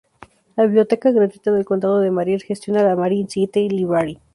La Biblioteca Gratuita del Condado de Marin gestiona la Marin City Library.